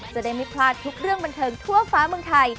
จะได้ไม่พลาดทุกเรื่องบันเทิงทั่วฟ้าเมืองไทย